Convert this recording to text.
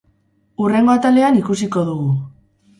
Hurrengo atalean ikusiko dugu!